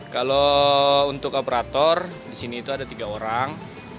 kalau untuk operator di sini itu ada tiga orang